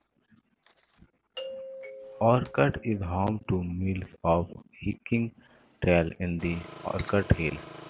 Orcutt is home to miles of hiking trails in the Orcutt Hills.